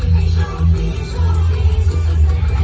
มันเป็นเมื่อไหร่แล้ว